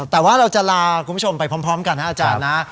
แต่ว่าเราจะลาคุณผู้ชมไปพร้อมกันนะอาจารย์นะ